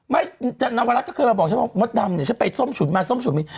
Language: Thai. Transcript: ไม่จากนวรัฐก็เคยมาบอกมถดำอยู่ฉันไปส้มฉุนมาส้มฉุนมี